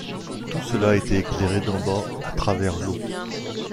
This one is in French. Tout cela était éclairé d’en bas à travers l’eau.